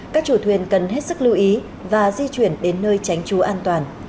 các chủ thuyền cần hết sức lưu ý và di chuyển đến nơi tránh trú an toàn